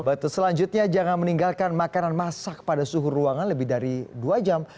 betul selanjutnya jangan meninggalkan makanan masak pada suhu ruangan lebih dari dua jam